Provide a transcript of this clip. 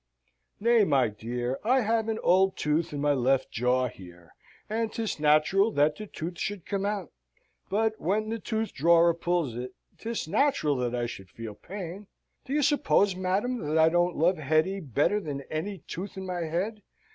"Nay, my dear, I have an old tooth in my left jaw, here; and 'tis natural that the tooth should come out. But when the toothdrawer pulls it, 'tis natural that I should feel pain. Do you suppose, madam, that I don't love Hetty better than any tooth in my head?"